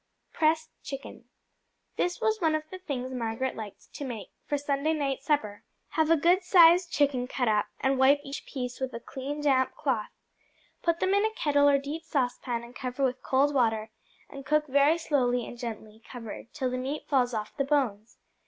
Pressed Chicken This was one of the things Margaret liked to make for Sunday night supper. Have a good sized chicken cut up, and wipe each piece with a clean, damp cloth. Put them in a kettle or deep saucepan and cover with cold water, and cook very slowly and gently, covered, till the meat falls off the bones.